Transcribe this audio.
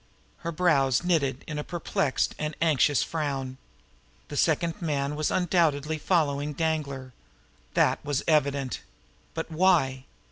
Her brows knitted in a perplexed and anxious frown. The second man was undoubtedly following Danglar. That was evident. But why?